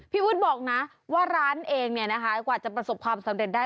พี่วุฒิบอกนะว่าร้านเองกว่าจะประสบความสำเร็จได้